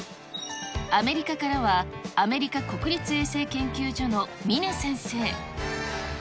アメリカからはアメリカ国立衛生研究所の峰先生。